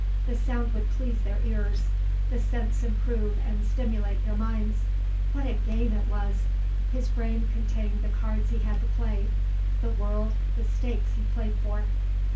The sound would please their ears, the sense improve and stimulate their minds. What a game it was! His brain contained the cards he had to play, the world the stakes he played for.